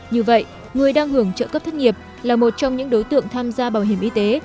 như vậy người đang hưởng trợ cấp thất nghiệp là một trong những đối tượng tham gia bảo hiểm y tế